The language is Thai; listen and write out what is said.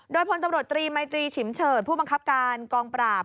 โดยพลตำรวจตรีมัยตรีฉิมเฉิดผู้บังคับการกองปราบ